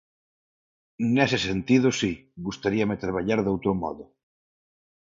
Nese sentido, si, gustaríame traballar doutro modo.